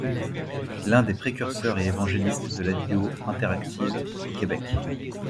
L'un des précurseurs et évangélistes de la vidéo interactives au Québec.